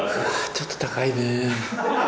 ちょっと高いね。